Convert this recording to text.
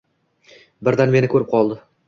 Birdan meni ko‘rib qoldi